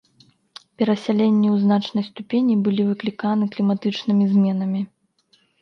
Перасяленні ў значнай ступені былі выкліканы кліматычнымі зменамі.